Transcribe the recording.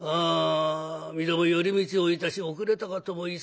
身共寄り道をいたし遅れたかと思い